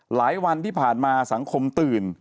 หลายวันที่ผ่านมาสังคมตื่น